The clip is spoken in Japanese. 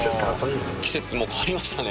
季節も変わりましたね。